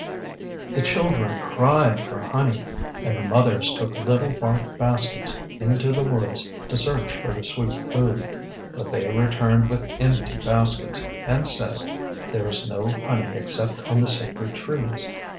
The children cried for honey, and the mothers took little bark baskets into the woods to search for the sweet food. But they returned with empty baskets and said, "There is no honey except on the sacred trees.